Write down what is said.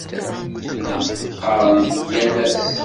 Llant ɣɣarent-d yal ass.